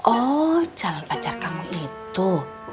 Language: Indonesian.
oh jalan pacar kamu itu